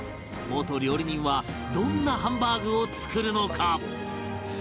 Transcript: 元料理人はどんなハンバーグを作るのか？